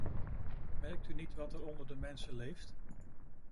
Merkt u niet wat er onder de mensen leeft?